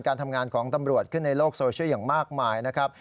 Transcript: การทำงานของตำรวจขึ้นในโลกโซเชียลอย่างมากมายนะครับ